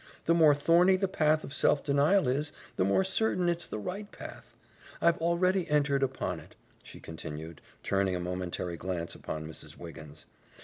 The more thorny the path of self denial is, the more certain it's the right path. I've already entered upon it," she continued, turning a momentary glare upon Mrs. Wiggins.